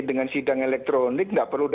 dengan sidang elektronik tidak perlu ada lagi